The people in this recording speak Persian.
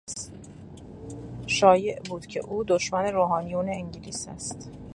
شایع بود که او دشمن روحانیون انگلیس است.